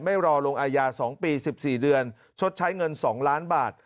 ไม่รอลงอายาสองปีสิบสี่เดือนชดใช้เงินสองล้านบาท